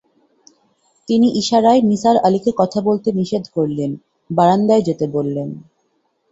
তিনি ইশারায় নিসার আলিকে কথা বলতে নিষেধ করলেন, বারান্দায় যেতে বললেন।